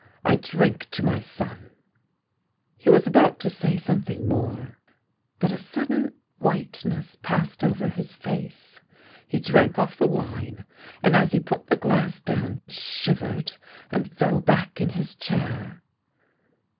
I drink to my son !" He was about to say something more, but a sudden whiteness passed over his face. He drank off the wine, and as he put the glass down shivered, and fell back in his chair.